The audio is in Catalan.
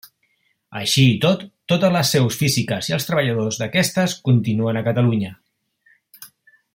Així i tot, totes les seus físiques i els treballadors d'aquestes continuen a Catalunya.